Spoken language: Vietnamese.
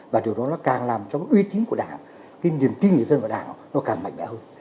và điều đó nó càng làm cho cái uy tín của đảng cái niềm tin người dân và đảng nó càng mạnh mẽ hơn